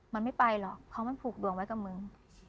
มันไม่ไปหรอกเพราะมันผูกดวงไว้กับมึง